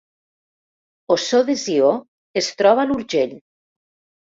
Ossó de Sió es troba a l’Urgell